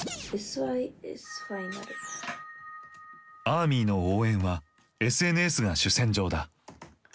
アーミーの応援はＳＮＳが主戦場だ。